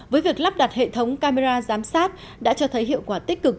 với việc lắp đặt hệ thống camera giám sát đã cho thấy hiệu quả tích cực